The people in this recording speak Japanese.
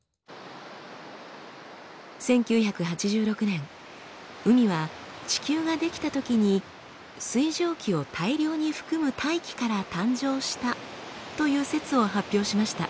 １９８６年海は地球が出来たときに水蒸気を大量に含む大気から誕生したという説を発表しました。